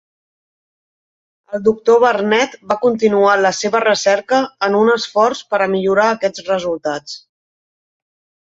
El doctor Barnett va continuar la seva recerca en un esforç per a millorar aquests resultats.